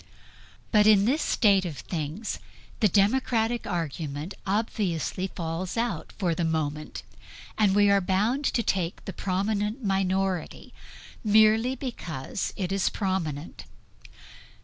But in this state of things the democratic argument obviously falls out for the moment; and we are bound to take the prominent minority, merely because it is prominent.